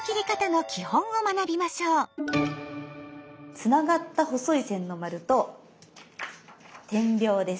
つながった細い線の丸と点描です。